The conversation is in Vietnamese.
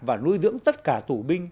và nuôi dưỡng tất cả tù binh